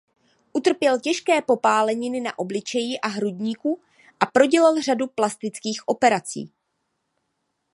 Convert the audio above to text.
Utrpěl těžké popáleniny na obličeji a hrudníku a prodělal řadu plastických operací.